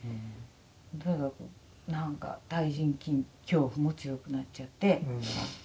なんか対人恐怖も強くなっちゃって。